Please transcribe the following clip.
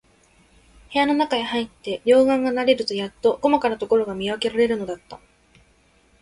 部屋のなかへ入って、両眼が慣れるとやっと、こまかなところが見わけられるのだった。